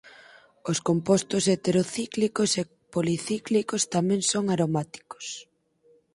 Os compostos heterocíclicos e policíclicos tamén son aromáticos.